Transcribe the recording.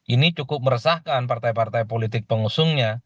ini cukup meresahkan partai partai politik pengusungnya